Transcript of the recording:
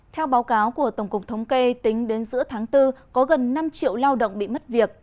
theo báo cáo của tổng cục thống kê tính đến giữa tháng bốn có gần năm triệu lao động bị mất việc